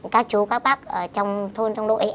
các chú các bác ở trong thôn trong đội